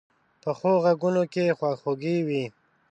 پخو غږونو کې خواږه وي